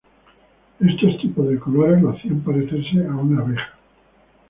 Estos tipos de colores lo hacían parecerse a una abeja.